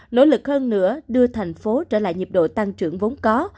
nỗ lực hơn nữa đưa thành phố trở lại nhiệm độ tăng trưởng vốn có